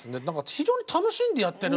非常に楽しんでやってらっしゃる。